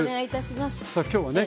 さあ今日はね